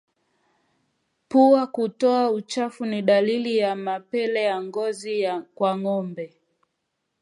Pua kutoa uchafu ni dalili ya mapele ya ngozi kwa ngombe